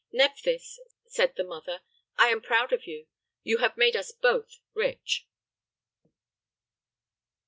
"Nephthys," said the mother, "I am proud of you. You have made us both rich!"